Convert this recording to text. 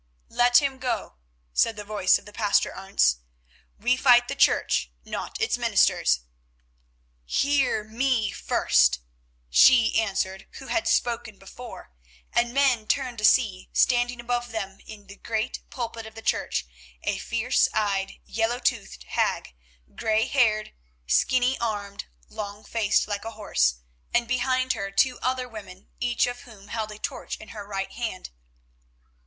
"Let him go," said the voice of the Pastor Arentz. "We fight the Church, not its ministers." "Hear me first," she answered who had spoken before, and men turned to see standing above them in the great pulpit of the church, a fierce eyed, yellow toothed hag, grey haired, skinny armed, long faced like a horse, and behind her two other women, each of whom held a torch in her right hand.